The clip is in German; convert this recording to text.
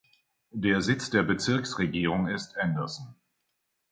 Der Sitz der Bezirksregierung ist Anderson.